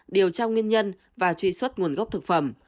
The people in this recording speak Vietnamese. điều tra nguyên nhân và truy xuất nguồn gốc thực phẩm